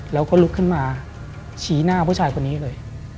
แล้วก็ลุกขึ้นมาชี้หน้าผู้ชายคนนี้เลย